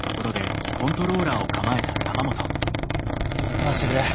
回してくれ。